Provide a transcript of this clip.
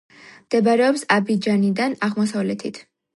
მდებარეობს აბიჯანიდან აღმოსავლეთით.